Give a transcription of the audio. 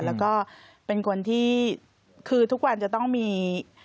แล้วก็เป็นคนที่คือทุกวันจะต้องมี